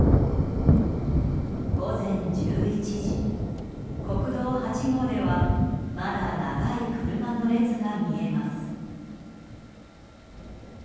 午前１１時、国道８号ではまだ長い車の列が見えます。